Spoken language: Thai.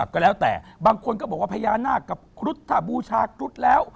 ก็แล้วแต่บางคนก็บอกว่าพญานาคกับครุฑถ้าบูชาครุฑแล้ว